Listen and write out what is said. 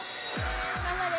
・頑張れ！